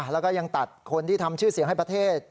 แล้วก็ยังตัดคนที่ทำชื่อเสียงให้ประเทศ